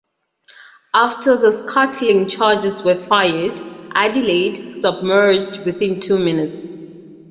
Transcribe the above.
After the scuttling charges were fired, "Adelaide" submerged within two minutes.